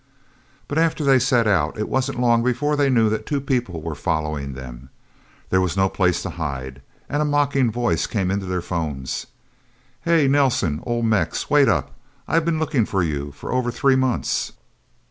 But after they set out, it wasn't long before they knew that two people were following them. There was no place to hide. And a mocking voice came into their phones. "Hey, Nelsen... Oh, Mex... Wait up... I've been looking for you for over three months..."